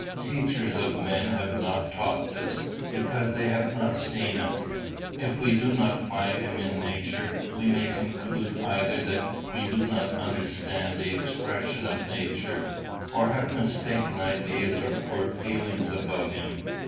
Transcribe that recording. Teachers of men have not taught this, because they have not seen it. If we do not find him in nature, we may conclude either that we do not understand the expression of nature, or have mistaken ideas or poor feelings about him.